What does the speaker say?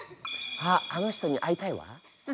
あっあの人に会いたいわ。